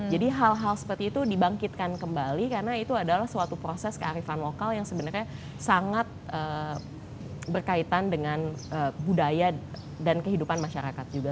jadi hal hal seperti itu dibangkitkan kembali karena itu adalah suatu proses kearifan lokal yang sebenarnya sangat berkaitan dengan budaya dan kehidupan masyarakat juga